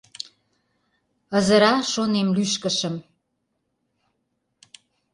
Ызыра, шонем, лӱшкышым.